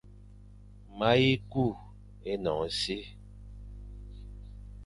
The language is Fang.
Ma yi kù énon e si.